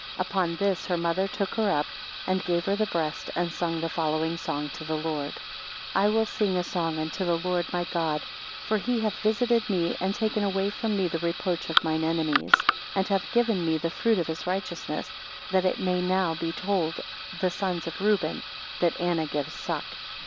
7 Upon this her mother took her up, and gave her the breast, and sung the following song to the Lord. 8 I will sing a song unto the Lord my God, for he hath visited me, and taken away from me the reproach of mine enemies, and hath given me the fruit of his righteousness, that it may now be told the sons of Reuben, that Anna gives suck.